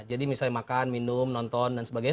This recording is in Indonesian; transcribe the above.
jadi misalnya makan minum nonton dan sebagainya